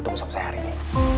ketemu sop saya hari ini